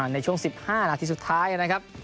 ในช่วง๑๕นาทีสุดท้ายนะครับ